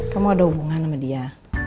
kamu ada hubungan sama dia